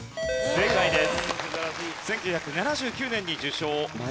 正解です。